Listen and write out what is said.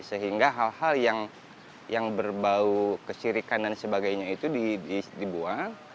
sehingga hal hal yang berbau kesirikan dan sebagainya itu dibuat